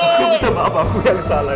aku minta maaf aku yang salah